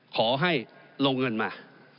ขอให้ลงเงินมา